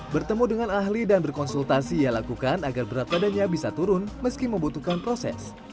bertemu dengan ahli dan berkonsultasi ia lakukan agar berat badannya bisa turun meski membutuhkan proses